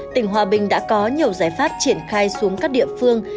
tỉnh hòa bình đã có nhiều giải pháp triển khai xuống các địa phương